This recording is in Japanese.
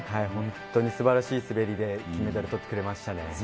本当にすばらしい滑りで金メダルとってくれましたね。